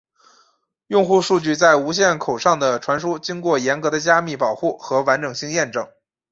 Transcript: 用户数据在无线口上的传输经过严格的加密保护和完整性验证。